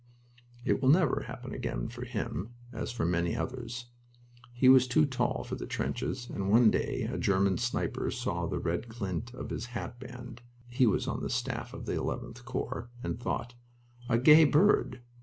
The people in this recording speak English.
It will never happen again for him, as for many others. He was too tall for the trenches, and one day a German sniper saw the red glint of his hat band he was on the staff of the 11th Corps and thought, "a gay bird"!